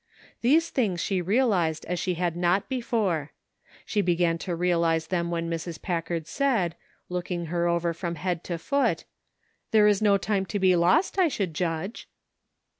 These things she real ized as she had not before. She began to A LONG, WONDERFUL DAT. 219 realize them when Mrs. Packard said, looking her over from head to foot, ''There is no time to be lost, I should judge."